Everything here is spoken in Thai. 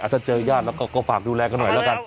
ถ้าเจอญาติแล้วก็ฝากดูแลกันหน่อยแล้วกัน